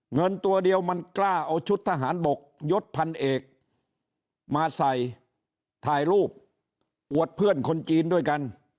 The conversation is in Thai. เงินตัวเดียวมันกล้าเอาชุดทหารบกยดพันเอกมาใส่ถ่ายรูปอวดเพื่อนคนจีนด้วยกัน